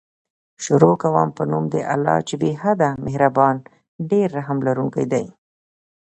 شروع کوم په نوم د الله چې بې حده مهربان ډير رحم لرونکی دی